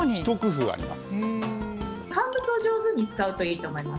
乾物を上手に使うといいと思います。